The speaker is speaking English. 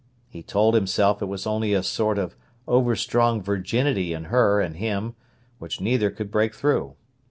He told himself it was only a sort of overstrong virginity in her and him which neither could break through.